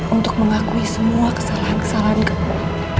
untuk mengakui semua kesalahan kesalahan kami